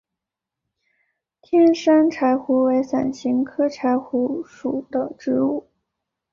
天山柴胡为伞形科柴胡属的植物。